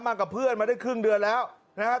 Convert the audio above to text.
มากับเพื่อนมาได้ครึ่งเดือนแล้วนะครับ